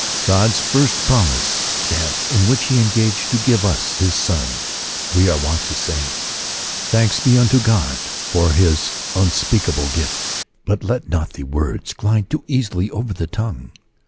God's first promise was th^' ^^ in which he engaged to give us his Son. We ar^ ^ wont to say, " Thanks be unto God for his uir^ ^ speakable gift," but let not the words glide too^^ easily over the tongue.